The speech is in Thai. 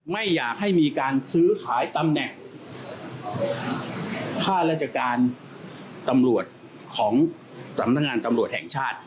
ไม่อยากให้มีการซื้อขายตำแหน่งค่าราชการตำรวจของสำนักงานตำรวจแห่งชาติ